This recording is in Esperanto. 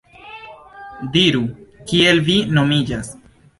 Diru, kiel vi nomiĝas?